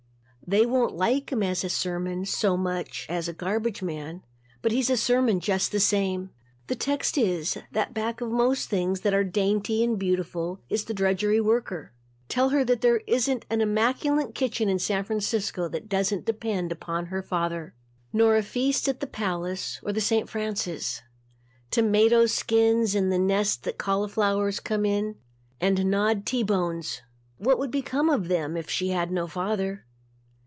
They won't like him as a sermon so much as a garbage man but he's a sermon just the same. The text is that back of most things that are dainty and beautiful is the drudgery worker. Tell her that there isn't an immaculate kitchen in San Francisco that doesn't depend upon her father. Nor a feast at the Palace or the St. Francis. Tomato skins and the nests that cauliflowers come in, and gnawed "T" bones. What would become of them if she had no father.